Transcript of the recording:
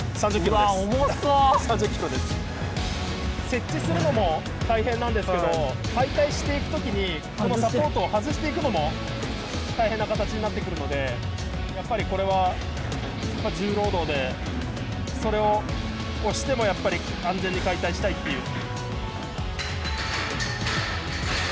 設置するのも大変なんですけど解体していく時にこのサポートを外していくのも大変な形になってくるのでやっぱりこれは重労働でそれを押してもやっぱり安全に解体したいっていう。